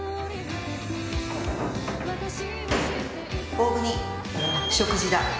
大國食事だ。